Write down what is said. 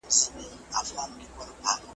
دی شاهد زموږ د وصال دی تر هغه چي زه او ته یو `